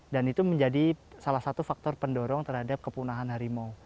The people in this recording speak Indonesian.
dan itu menjadi salah satu faktor pendorong terhadap kepunahan harimau